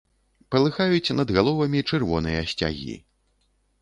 Палыхаюць над галовамі чырвоныя сцягі.